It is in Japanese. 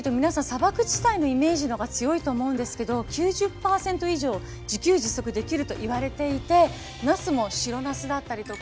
砂漠地帯のイメージのほうが強いと思うんですけど９０％以上自給自足できるといわれていてなすも白なすだったりとか。